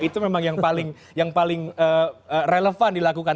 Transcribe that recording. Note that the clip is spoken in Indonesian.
itu memang yang paling relevan dilakukan